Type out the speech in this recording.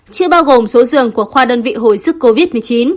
chứ bao gồm số dường của khoa đơn vị hồi sức covid một mươi chín